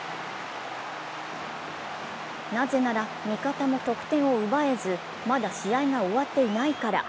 なぜなら味方も得点を奪えず、まだ試合が終わっていないから。